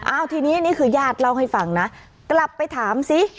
เอาทีนี้นี่คือญาติเล่าให้ฟังนะกลับไปถามซิ